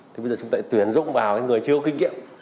thì bây giờ chúng ta lại tuyển dốc vào người chưa có kinh nghiệm